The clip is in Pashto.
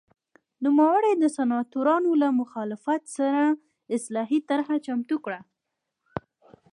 نوموړي د سناتورانو له مخالفت سره اصلاحي طرحه چمتو کړه